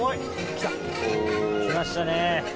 来た。来ましたね。